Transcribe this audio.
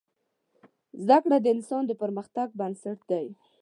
زده کړه د انسان د پرمختګ بنسټ دی.